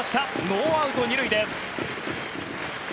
ノーアウト２塁です。